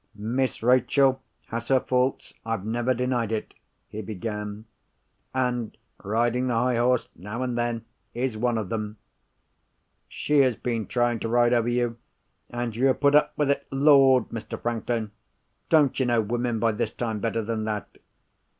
"Miss Rachel has her faults—I've never denied it," he began. "And riding the high horse, now and then, is one of them. She has been trying to ride over you—and you have put up with it. Lord, Mr. Franklin, don't you know women by this time better than that?